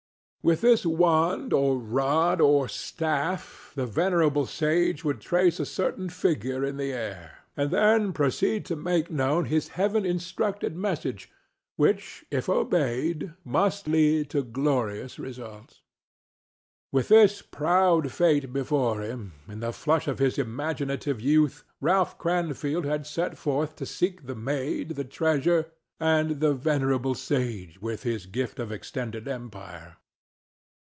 With this wand or rod or staff the venerable sage would trace a certain figure in the air, and then proceed to make known his Heaven instructed message, which, if obeyed, must lead to glorious results. With this proud fate before him, in the flush of his imaginative youth Ralph Cranfield had set forth to seek the maid, the treasure, and the venerable sage with his gift of extended empire.